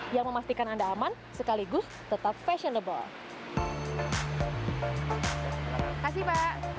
yang memastikan anda aman sekaligus tetap fashionable